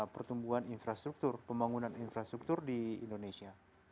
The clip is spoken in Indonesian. pertumbuhan infrastruktur pembangunan infrastruktur di indonesia